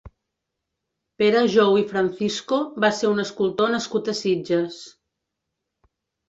Pere Jou i Francisco va ser un escultor nascut a Sitges.